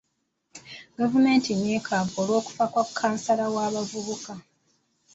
Gavumenti nnyiikaavu olw'okufa kwa kansala w'abavubuka.